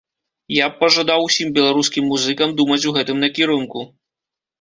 Я б пажадаў усім беларускім музыкам думаць у гэтым накірунку.